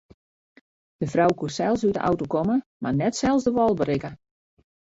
De frou koe sels út de auto komme mar net sels de wâl berikke.